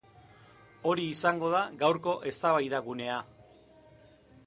Hori izango da gaurko eztabaida gunea.